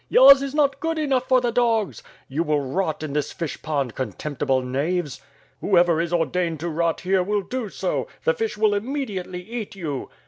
"Yours is not good enough for the dogs!" 'TTou will rot in this fish pond, contemptible knaves!" "Whoever is ordained to rot here will do so. The fish will immediately eat you."